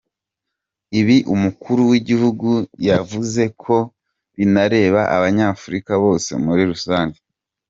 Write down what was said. Ibi umukuru w’igihugu yavuze ko binareba Abanyafurika bose muri rusange.